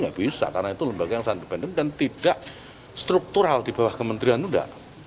nggak bisa karena itu lembaga yang sangat independen dan tidak struktural di bawah kementerian itu enggak